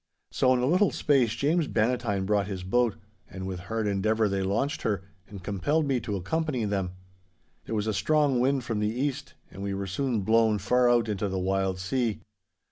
So in a little space James Bannatyne brought his boat, and with hard endeavour they launched her, and compelled me to accompany them. There was a strong wind from the east, and we were soon blown far out into the wild sea.